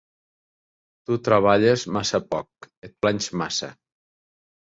Tu treballes massa poc: et planys massa.